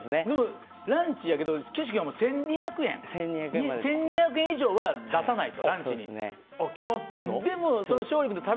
ランチやけど岸君は１２００円以上は出さないと。